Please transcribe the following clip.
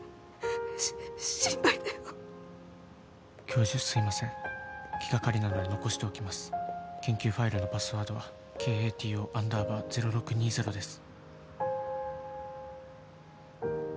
し心配だよ「教授すいません気がかりなので残しておきます」「研究ファイルのパスワードはｋａｔｏアンダーバー０６２０です」